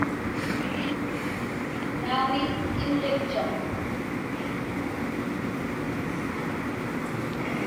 Naumi, imġitchuq.